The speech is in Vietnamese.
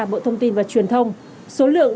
bộ thông tin và truyền thông số lượng